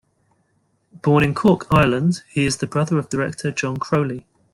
Born in Cork, Ireland, he is the brother of director John Crowley.